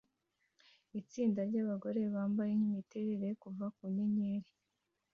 Itsinda ryabagore bambaye nkimiterere kuva inyenyeri